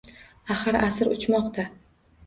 Axir asr uchmoqda